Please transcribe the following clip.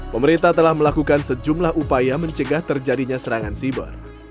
pemerintah telah melakukan sejumlah upaya mencegah terjadinya serangan siber